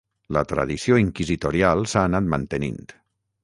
La tradició inquisitorial s'ha anat mantenint.